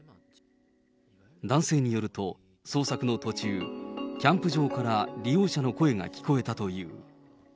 男性によると、捜索の途中、キャンプ場から利用者の声が聞こえたという。